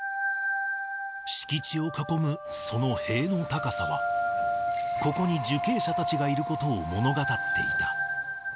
敷地を囲むその塀の高さは、ここに受刑者たちがいることを物語っていた。